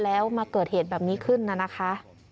แล้วมาเกิดเหตุแบบนี้ขึ้นน่ะนะคะ